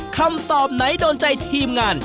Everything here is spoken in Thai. คำตอบไหนโดนใจทีมงาน